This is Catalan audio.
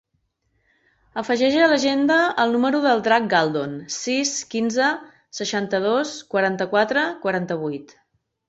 Afegeix a l'agenda el número del Drac Galdon: sis, quinze, seixanta-dos, quaranta-quatre, quaranta-vuit.